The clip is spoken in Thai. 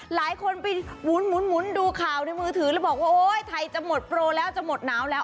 หลายคนไปหมุนดูข่าวในมือถือแล้วบอกว่าโอ๊ยไทยจะหมดโปรแล้วจะหมดหนาวแล้ว